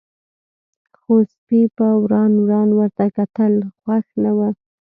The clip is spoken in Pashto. خو سپي په وران وران ورته کتل، خوښ نه و.